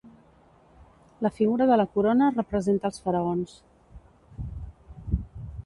La figura de la corona representa als faraons.